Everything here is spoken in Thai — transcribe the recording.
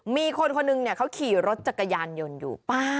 มีคนคนหนึ่งเขาขี่รถจักรยานยนต์อยู่ป่ะ